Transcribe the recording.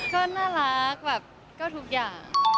ก็น่ารักแบบก็ทุกอย่าง